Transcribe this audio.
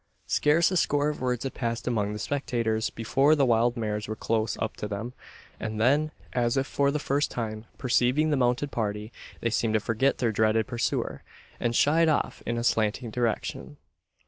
Scarce a score of words had passed among the spectators, before the wild mares were close up to them; and then, as if for the first time, perceiving the mounted party, they seemed to forget their dreaded pursuer, and shied off in a slanting direction.